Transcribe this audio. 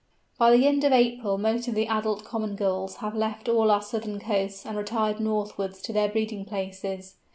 By the end of April most of the adult Common Gulls have left all our southern coasts and retired northwards to their breeding places.